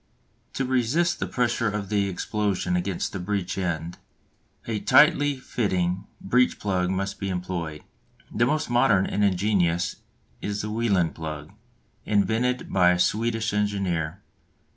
To resist the pressure of the explosion against the breech end, a tightly fitting breech plug must be employed. The most modern and ingenious is the Welin plug, invented by a Swedish engineer.